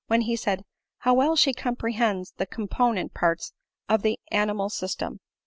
When he said, "How well she comprehends the component parts of the animal system